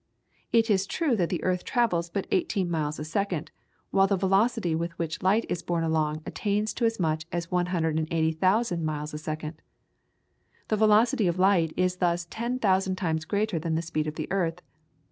It is true that the earth travels but eighteen miles a second, while the velocity with which light is borne along attains to as much as 180,000 miles a second. The velocity of light is thus ten thousand times greater than the speed of the earth.